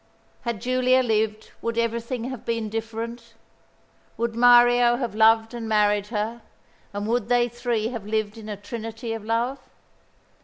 Had Giulia lived, would everything have been different? Would Mario have loved and married her, and would they three have lived in a trinity of love?